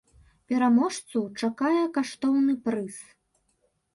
Пераможцу чакае каштоўны прыз.